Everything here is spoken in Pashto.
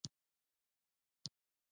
له ليرې يې ړنګو دېوالونو ته وکتل.